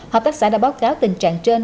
hợp tác xã đã báo cáo tình trạng trên